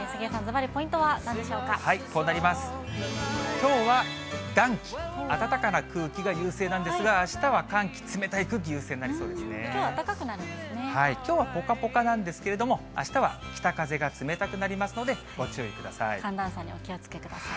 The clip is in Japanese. きょうは暖気、暖かな空気が優勢なんですが、あしたは寒気、きょうはあったかくなるんできょうはぽかぽかなんですけれども、あしたは北風が冷たくなりますので、ご注意ください。